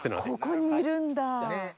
ここにいるんだ。